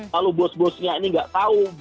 lalu bos bosnya ini nggak tahu